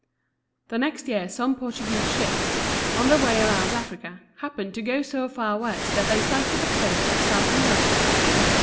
The next year some Portuguese ships, on their way around Africa, happened to go so far west that they sighted the coast of South America.